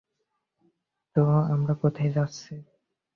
তো আমরা কোথায় যাচ্ছি?